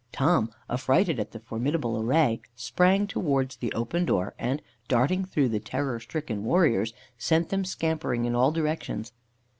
Tom, affrighted at the formidable array, sprang towards the open door, and, darting through the terror stricken warriors, sent them scampering in all directions.